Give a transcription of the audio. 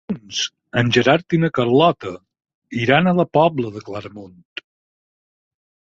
Dilluns en Gerard i na Carlota iran a la Pobla de Claramunt.